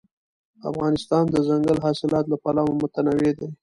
افغانستان د دځنګل حاصلات له پلوه متنوع دی.